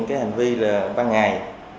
cái hành vi là ba ngày